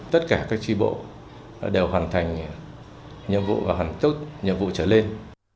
tất cả các tri bộ đều hoàn thành nhiệm vụ và hoàn tất nhiệm vụ trở lên